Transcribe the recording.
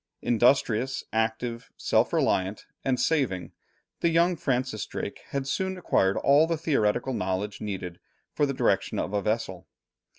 Industrious, active, self reliant, and saving, the young Francis Drake had soon acquired all the theoretical knowledge needed for the direction of a vessel.